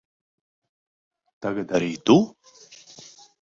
Tagad arī tu?